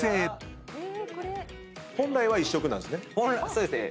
そうですね。